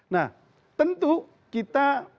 nah tentu kita